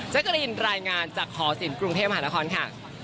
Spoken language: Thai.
จั๊การีนรายงานจากหสครุ่งเทพาครค่ะ